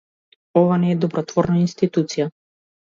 Ова не е добротворна институција.